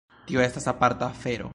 Tio estas aparta afero.